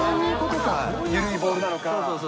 緩いボールなのか。